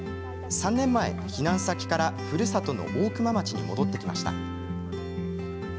３年前、避難先からふるさとの大熊町に戻ってきました。